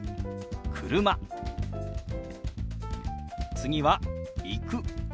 次は「行く」。